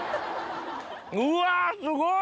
うわすごい！